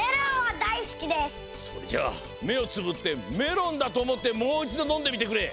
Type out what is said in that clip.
それじゃあめをつぶってメロンだとおもってもういちどのんでみてくれ。